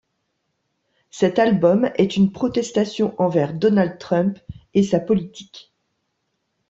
Cet album est une protestation envers Donald Trump et sa politique.